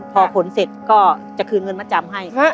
พอขนเสร็จก็จะคืนเงินมาจำให้